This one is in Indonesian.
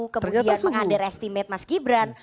kemudian mengadir estimate mas gibran